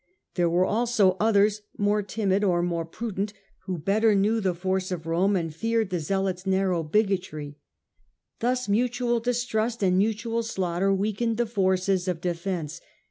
There were also others more timid or more pru dent, who better knew the force of Rome and feared the zealots' narrow bigotry. Thus mutual distrust and mutual slaughter weakened the forces of defence.